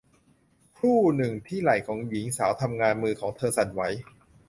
ครู่หนึ่งที่ไหล่ของหญิงสาวทำงานมือของเธอสั่นไหว